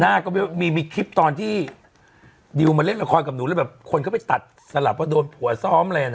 ก็มีมีคลิปตอนที่ดิวมาเล่นละครกับหนูแล้วแบบคนเข้าไปตัดสลับว่าโดนผัวซ้อมเลยนะ